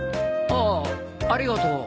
ああありがとう。